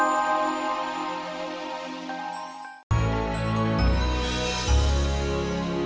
terima kasih semua